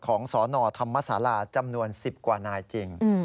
สนธรรมศาลาจำนวน๑๐กว่านายจริง